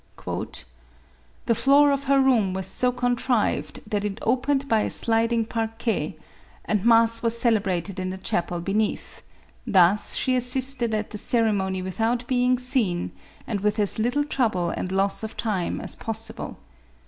" The floor of her room was so contrived, that it opened by a sliding parquet, and mass was celebrated in the chapel be neath : thus she assisted at the ceremony without be ing seen, and with as little trouble and loss of time as possible.